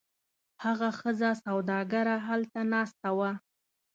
هغه ښځینه سوداګره هلته ناسته وه.